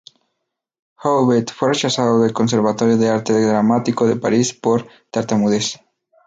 Jouvet fue rechazado del Conservatorio de Arte Dramático de París por tartamudez.